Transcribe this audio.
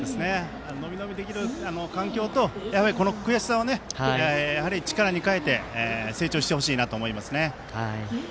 伸び伸びできる環境とこの悔しさを力に変えて成長してほしいと思います。